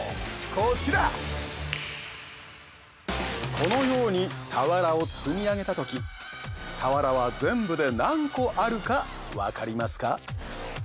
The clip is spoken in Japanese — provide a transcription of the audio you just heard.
このように俵を積み上げた時俵は全部で何個あるかわかりますか？